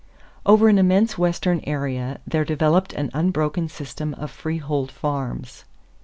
= Over an immense western area there developed an unbroken system of freehold farms.